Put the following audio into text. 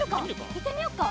いってみよっか！